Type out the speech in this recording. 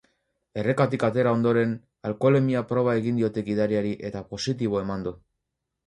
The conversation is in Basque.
Errekatik atera ondoren, alkoholemia proba egin diote gidariari eta positibo eman du.